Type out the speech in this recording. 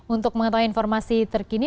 untuk mengetahui informasi terkini